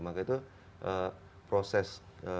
maka itu proses